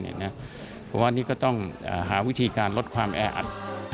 เพราะว่านี่ก็ต้องหาวิธีการลดความแออัด